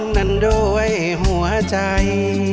นั้นโดยหัวใจ